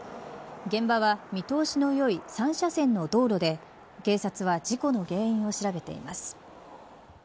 現場は見通しのよい３車線の道路で警察は事故の原因を調べています。